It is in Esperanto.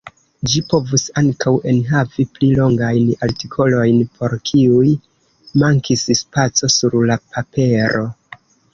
Ĝi povus ankaŭ enhavi pli longajn artikolojn, por kiuj mankis spaco sur la papero.